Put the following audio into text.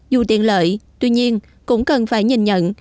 dù tiện lợi tuy nhiên cũng cần phải nhìn nhận